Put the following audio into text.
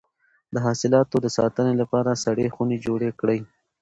د حاصلاتو د ساتنې لپاره سړې خونې جوړې کړئ.